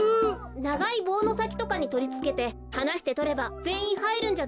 ながいぼうのさきとかにとりつけてはなしてとればぜんいんはいるんじゃないですか？